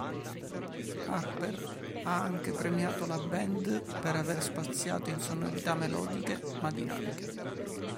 Harper ha anche premiato la band per aver spaziato in sonorità melodiche ma dinamiche.